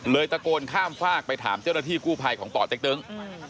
ตะโกนข้ามฝากไปถามเจ้าหน้าที่กู้ภัยของป่อเต็กตึง